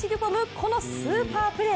このスーパープレー。